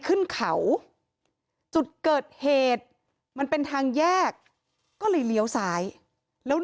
ขึ้นเขาจุดเกิดเหตุมันเป็นทางแยกก็เลยเลี้ยวซ้ายแล้ว